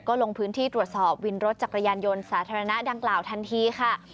ก็ลงพื้นที่ตรวจสอบวินรถจักรยานยนต์สาธารณะดังกล่าวทันทีค่ะ